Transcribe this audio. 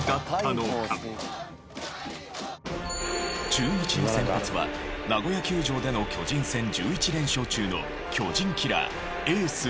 中日の先発はナゴヤ球場での巨人戦１１連勝中の巨人キラーエース今中。